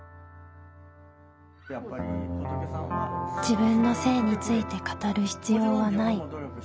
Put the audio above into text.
「自分の性について語る必要はない。